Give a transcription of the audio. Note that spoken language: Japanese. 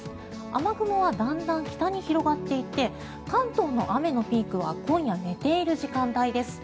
雨雲はだんだん北に広がっていって関東の雨のピークは今夜寝ている時間帯です。